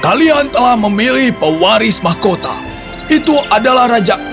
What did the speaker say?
kalian telah memilih pewaris mahkota itu adalah rajaku